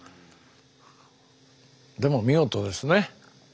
でも見事ですね。